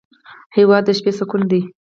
هېواد د شپې سکون دی.